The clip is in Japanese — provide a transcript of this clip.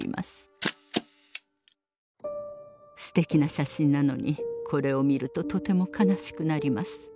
すてきな写真なのにこれを見るととても悲しくなります。